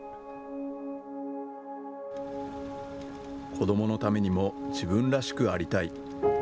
子どものためにも自分らしくありたい。